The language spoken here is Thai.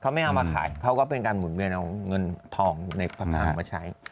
เขาไม่เอามาขายเขาก็เป็นการหมุนเวียนเอาเงินทองในภาคกลางมาใช้